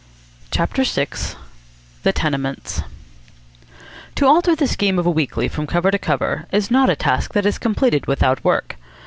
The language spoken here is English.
CHAPTER VI THE TENEMENTS To alter the scheme of a weekly from cover to cover is not a task that is completed without work.